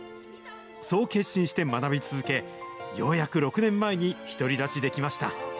そう決心して学び続け、ようやく６年前に独り立ちできました。